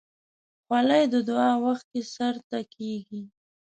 خولۍ د دعا وخت کې سر ته کېږي.